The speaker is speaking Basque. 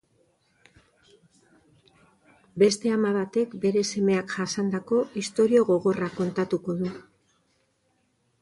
Beste ama batek bere semeak jasandako istorio gogorra kontatuko du.